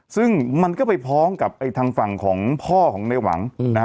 ซึ่งมันก็ไปพ้องกับไอ้ทางฝั่งของพ่อของในหวังนะฮะ